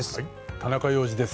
田中要次です。